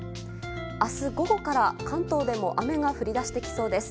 明日午後から、関東でも雨が降り出してきそうです。